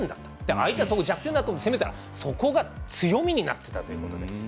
相手は、そこを弱点だと思って攻めたらそこが強みになっていたということで。